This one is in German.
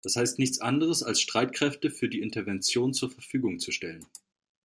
Das heißt nichts anderes, als Streikräfte für die Intervention zur Verfügung zu stellen.